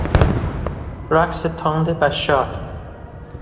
رقص تند و شاد